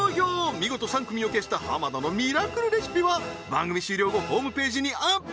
見事３組を消した浜田のミラクルレシピは番組終了後ホームページにアップ